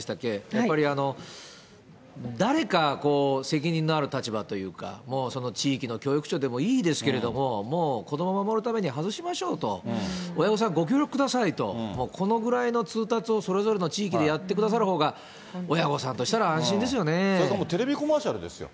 やっぱり誰か責任のある立場というか、もうその地域の教育長でもいいですけれども、もう子どもを守るために外しましょうと、親御さん、ご協力くださいと、このぐらいの通達を、それぞれの地域でやってくださるほうが、親御さんとしたら安心でテレビコマーシャルですよ。